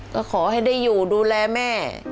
ก็ขอให้ได้อยู่ดูแลแม่